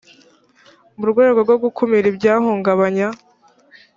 mu rwego rwo gukumira ibyahungabanya